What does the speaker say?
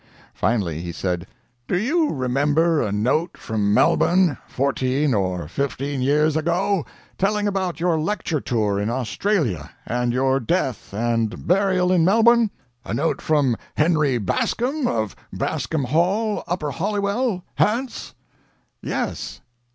Finally he said "Do you remember a note from Melbourne fourteen or fifteen years ago, telling about your lecture tour in Australia, and your death and burial in Melbourne? a note from Henry Bascomb, of Bascomb Hall, Upper Holywell, Hants." "Yes."